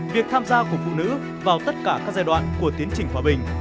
việc tham gia của phụ nữ vào tất cả các giai đoạn của tiến trình hòa bình